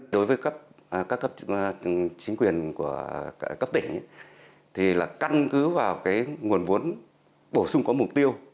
đối với các cấp chính quyền của cấp tỉnh thì là căn cứ vào cái nguồn vốn bổ sung có mục tiêu